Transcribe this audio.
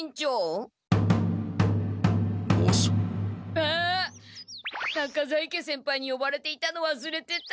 あっ中在家先輩によばれていたのわすれてた。